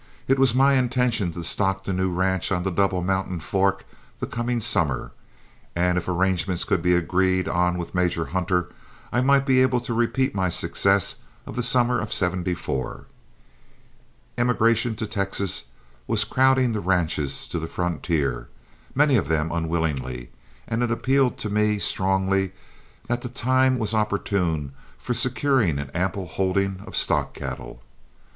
It was my intention to stock the new ranch on the Double Mountain Fork the coming summer, and if arrangements could be agreed on with Major Hunter, I might be able to repeat my success of the summer of '74. Emigration to Texas was crowding the ranches to the frontier, many of them unwillingly, and it appealed to me strongly that the time was opportune for securing an ample holding of stock cattle.